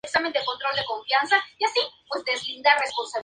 La expedición organizó la toma de datos de mareas, clima y magnetismo.